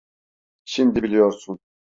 Şimdi biliyorsun.